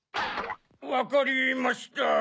わかりました。